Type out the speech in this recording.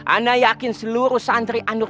anda yakin seluruh santri anur